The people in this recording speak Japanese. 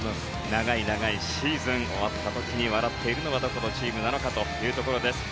長い長いシーズン終わった時に笑っているのはどこのチームかというところです。